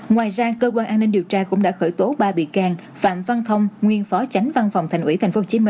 ngoài ra cơ quan an ninh điều tra cũng đã khởi tố ba bị can phạm văn thông nguyên phó tránh văn phòng thành ủy tp hcm